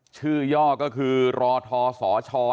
ชื่อยอร์ทธอโซ฼